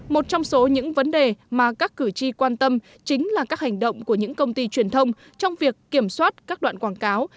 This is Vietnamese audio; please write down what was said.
một trong số những vấn đề mà các cử tri quan tâm chính là các hành động của những công ty truyền thông trong việc kiểm soát các đoạn quảng cáo